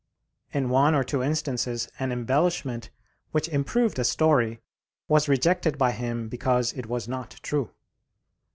In one or two instances an embellishment which improved a story was rejected by him because it was not true.